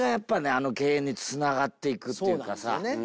あの敬遠につながっていくっていうかさ。